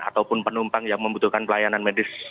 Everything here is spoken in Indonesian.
ataupun penumpang yang membutuhkan pelayanan medis